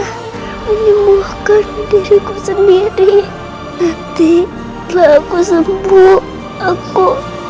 aku siluman jadi aku bisa menyembuhkan diriku sendiri nanti telah aku sembuh aku